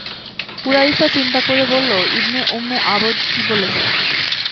কুরাইশরা চিন্তা করে বলল, ইবনে উম্মে আবদ কি বলছে?